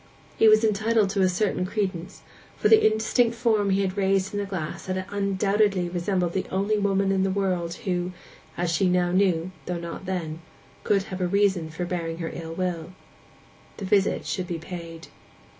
He was entitled to a certain credence, for the indistinct form he had raised in the glass had undoubtedly resembled the only woman in the world who—as she now knew, though not then—could have a reason for bearing her ill will. The visit should be paid.